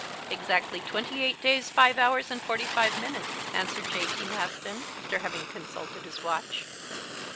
"Exactly twenty eight days, five hours and forty five minutes," answered J.T. Maston, after having consulted his watch.